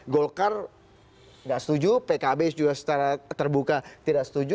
golkar tidak setuju pkb juga secara terbuka tidak setuju